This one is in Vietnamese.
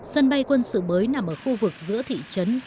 sân bay quân sự mới nằm ở khu vực giữa thị trấn